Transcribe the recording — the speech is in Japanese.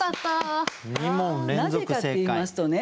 なぜかっていいますとね